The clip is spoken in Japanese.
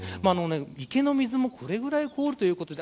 池の水もこれぐらい凍るということです。